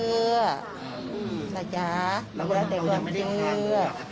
อืมนะจ๊ะมันก็ได้แต่กว่าคือ